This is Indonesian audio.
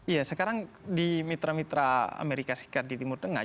iya sekarang di mitra mitra amerika serikat di timur tengah